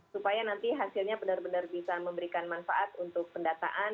supaya nanti hasilnya benar benar bisa memberikan manfaat untuk pendataan